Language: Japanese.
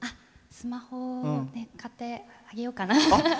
スマホ、買ってあげようかな。